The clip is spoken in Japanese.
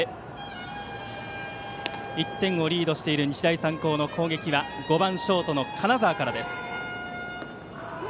４回の表、１点をリードしている日大三高の攻撃は５番ショートの金澤からです。